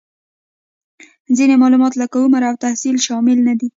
ځینې معلومات لکه عمر او تحصیل شامل نهدي